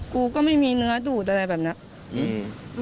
กูก็ไม่มีเนื้อดูดอะไรแบบนี้